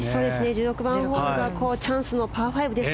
１６番ホールがチャンスのパー５です